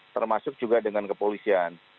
termasuk juga dengan kepolisian